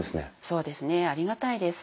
そうですねありがたいです。